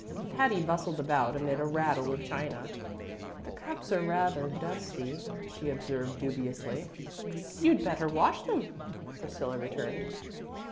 Patty bustled about amid a rattle of china. "The cups are rather dusty," she observed dubiously. "You'd better wash them," Priscilla returned.